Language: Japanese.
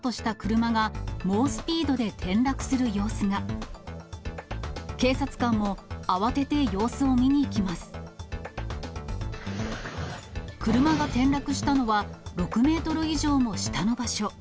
車が転落したのは６メートル以上も下の場所。